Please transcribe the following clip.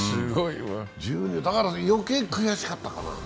だから、余計悔しかったかな。